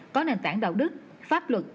có nền tảng đạo đức pháp luật